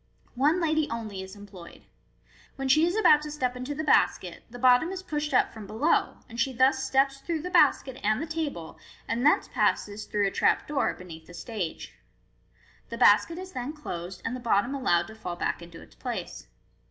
One lady only is employed. When she is about to step into the basket, the bottom is pushed up from below, and she thus steps through the basket and the table, and thence passes, through a trap door, beneath the stage. The basket is then closed, and the bottom allowed to fall back into its place.